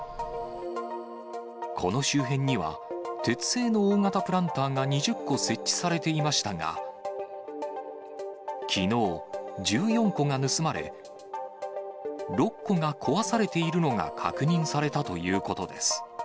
この周辺には、鉄製の大型プランターが２０個設置されていましたが、きのう、１４個が盗まれ、６個が壊されているのが確認されたということです。